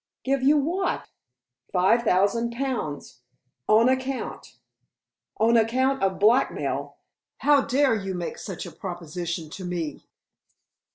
"Give you what?" "Five thousand pounds on account." "On account of blackmail. How dare you make such a proposition to me?"